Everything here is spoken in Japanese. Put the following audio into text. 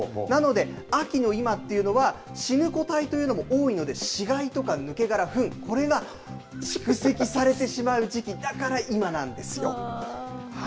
なので、秋の今というのは死ぬ個体というのも多いので死骸とか抜け殻、ふんこれが蓄積されてしまう時期だから今なんです。